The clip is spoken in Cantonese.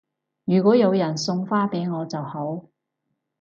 如果有人送花俾我就好